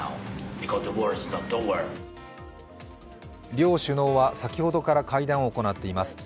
両首脳は先ほどから会談を行っています。